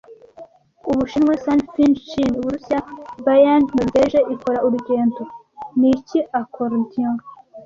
Ubushinwa Sun-Fin-Chin, Uburusiya bayan, Noruveje ikora urugendo ni iki Acordion